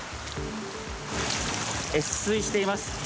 越水しています。